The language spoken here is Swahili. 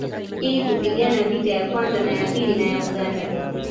Ili kupigana vita ya kwanza na ya pili na ya Uganda